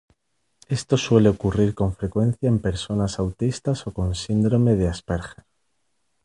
Esto suele ocurrir con frecuencia en personas autistas o con síndrome de Asperger.